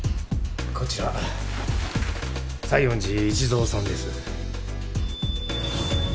こちら西園寺一蔵さんです。